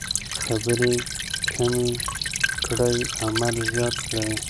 خبرې کمې کړئ عمل زیات کړئ.